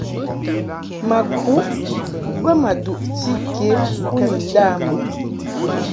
Ma kuʼ bə ma duʼti ke u ni nda mɨ a.